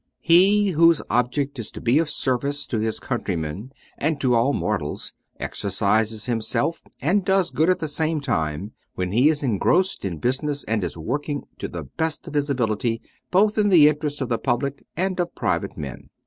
He whose object is to be of service to his countrymen and to all mortals, exercises himself and does good at the same time when he is engrossed in business and is working to the best of his ability both in the interests of the public and of private men.